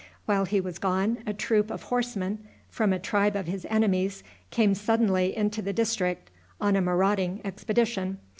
While he was gone a troop of horsemen, from a tribe of his enemies, came suddenly into the district on a marauding expedition.